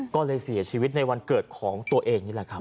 ก็เลยเสียชีวิตในวันเกิดของตัวเองนี่แหละครับ